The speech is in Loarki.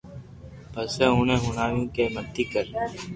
پسي اوني ھڻاويو ڪي متي ڪر